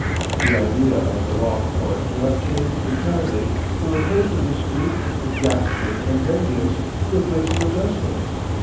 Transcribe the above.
The idea of the law court will have changed entirely from a place of dispute, exaction and vengeance, to a place of adjustment.